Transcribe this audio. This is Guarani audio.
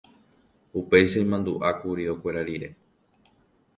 Upéicha imandu'ákuri okuera rire.